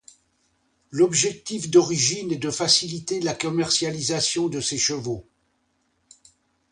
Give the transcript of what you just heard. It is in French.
L'objectif d'origine est de faciliter la commercialisation de ces chevaux.